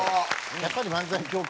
やっぱり漫才協会